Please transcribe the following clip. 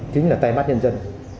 chính là tay mắt nhân dân